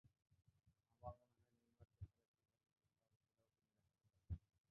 আমার মনে হয়, নেইমারকে ছাড়া কীভাবে খেলতে হবে সেটাও তিনি দেখাতে পারবেন।